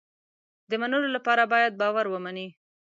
د منلو لپاره باید باور ومني.